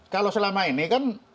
kalau selama ini kan